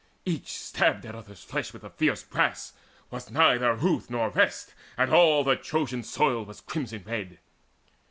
Each stabbed at other's flesh With the fierce brass: was neither ruth nor rest, And all the Trojan soil was crimson red.